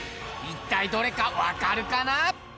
一体どれかわかるかな？